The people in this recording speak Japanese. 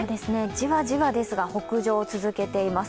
じわじわですが、北上を続けています。